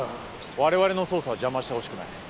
われわれの捜査を邪魔してほしくない。